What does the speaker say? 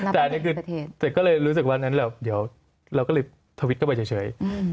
แต่ก็เลยรู้สึกว่านั้นเดี๋ยวเราก็ลืมทวิตเข้าไปเฉย